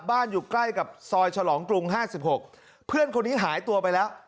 อยู่ใกล้กับซอยฉลองกรุง๕๖เพื่อนคนนี้หายตัวไปแล้ว